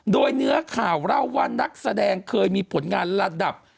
โดยเนื้อข่าวเล่าว่านักแสดงเคยมีผลงานระดับ